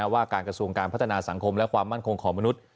ว่าการกระทรวงการพัฒนาสังคมและความมั่นคงของมนุษย์